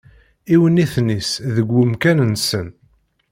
Iwenniten-is deg wemkan-nsen.